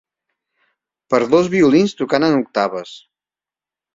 Per dos violins tocant en octaves.